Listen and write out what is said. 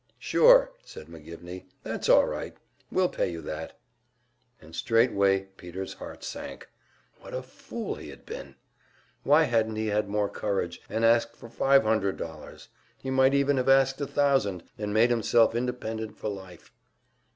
"Sure," said McGivney, "that's all right. We'll pay you that." And straightway Peter's heart sank. What a fool he had been! Why hadn't he had more courage, and asked for five hundred dollars? He might even have asked a thousand, and made himself independent for life!